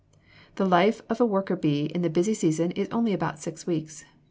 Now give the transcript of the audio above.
The life of a worker bee in the busy season is only about six weeks.